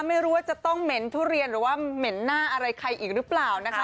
ไม่รู้ว่าจะต้องเหม็นทุเรียนหรือว่าเหม็นหน้าอะไรใครอีกหรือเปล่านะคะ